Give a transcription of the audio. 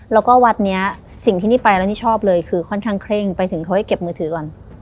แล้วก็วัดนี้สิ่งที่นี่ไปแล้วนี่ชอบเลยคือค่อนข้างเคร่งไปถึงเขาให้เก็บมือถือก่อน